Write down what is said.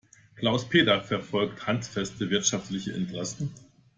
Klaus-Peter verfolgt handfeste wirtschaftliche Interessen.